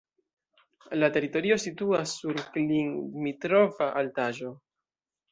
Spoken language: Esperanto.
La teritorio situas sur Klin-Dmitrova altaĵo.